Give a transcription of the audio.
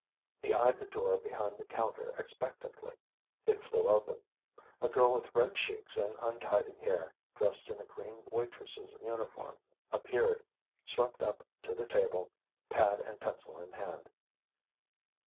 He eyed the door behind the counter expectantly. It flew open. A girl with red cheeks and untidy hair, dressed in a green waitress' uniform appeared, swept up to the table, pad and pencil in hand.